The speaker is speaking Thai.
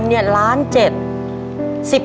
แถมไม่ชีวิต